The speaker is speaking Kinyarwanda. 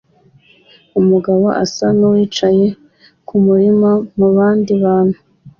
Umugabo asa nuwicaye kumurima mubandi bantu